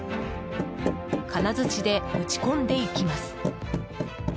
金づちで打ち込んでいきます。